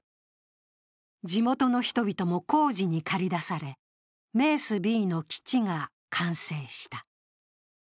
地元の人々も工事に駆り出され、メースＢの基地が完成した。